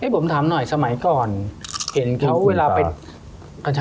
ผมถามหน่อยสมัยก่อนเห็นเขาเวลาไปกระชา